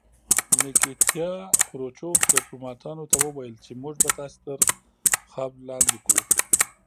نیکیتیا خروچوف ډیپلوماتانو ته وویل چې موږ به تاسې تر خاورو لاندې کړو